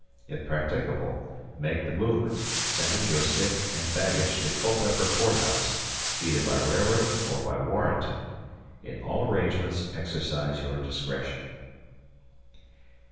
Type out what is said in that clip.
If practicable make the movement, sending your sick and baggage to Culpeper Court House either by railroad or by Warrenton. In all arrangements exercise your discretion.